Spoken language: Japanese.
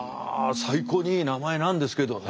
最高にいい名前なんですけどね。